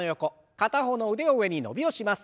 片方の腕を上に伸びをします。